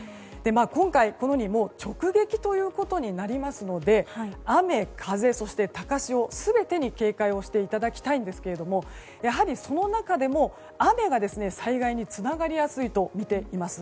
今回直撃ということになりますので雨、風、高潮全てに警戒をしていただきたいんですがやはり、その中でも雨が災害につながりやすいとみています。